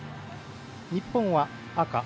日本は赤。